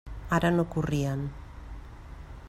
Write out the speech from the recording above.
Ara no corrien.